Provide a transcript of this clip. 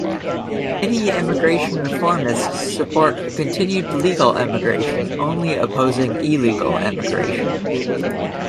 Many immigration reformists support continued legal immigration, only opposing illegal immigration.